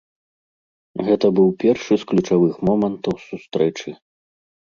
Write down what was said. Гэта быў першы з ключавых момантаў сустрэчы.